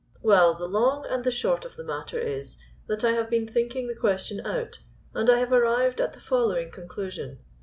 "Well, the long and the short of the matter is that I have been thinking the question out, and I have arrived at the following conclusion.